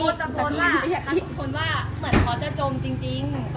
แล้วเขาก็คุ้นว่าเหมือนเขาจะจมจริง